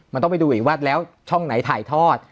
มันต้องไปดูอีกว่าแล้วช่องไหนถ่ายทอด